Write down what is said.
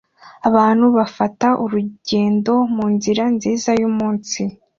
Abantu bafata urugendo munzira nziza yumunsi